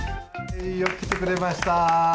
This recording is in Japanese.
よく来てくれました！